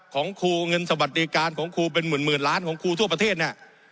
ของครูเงินสวัสดิการของครูเป็นหมื่นล้านของครูทั่วประเทศเนี่ย